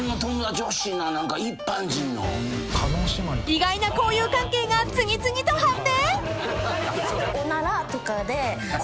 ［意外な交友関係が次々と判明！？］